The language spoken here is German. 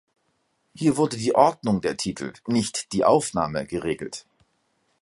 Hier wurde die Ordnung der Titel, nicht die Aufnahme geregelt.